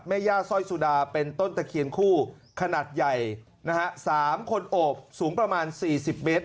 ย่าสร้อยสุดาเป็นต้นตะเคียนคู่ขนาดใหญ่นะฮะ๓คนโอบสูงประมาณ๔๐เมตร